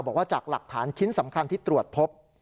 บอกว่าจากหลักฐานชิ้นสำคัญที่ตรวจพบ